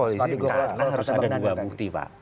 polisi karena harus ada dua bukti pak